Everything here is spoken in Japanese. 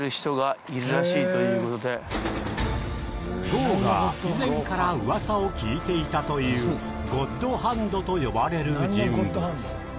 郷が以前からうわさを聞いていたというゴッドハンドと呼ばれる人物。